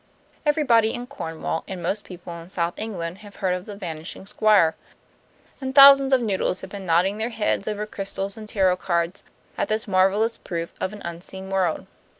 Everybody in Cornwall and most people in South England have heard of the Vanishing Squire; and thousands of noodles have been nodding their heads over crystals and tarot cards at this marvelous proof of an unseen world.